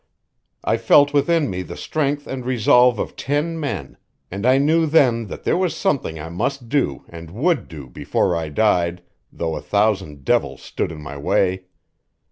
I felt within me the strength and resolve of ten men, and I knew then that there was something I must do and would do before I died, though a thousand devils stood in my way.